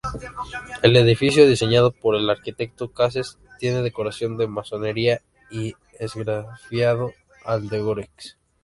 El edificio, diseñado por el arquitecto Cases, tiene decoraciones de masonería y esgrafiados al·legòrics.